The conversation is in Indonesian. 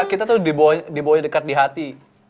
kita tuh dibawanya dekat di hati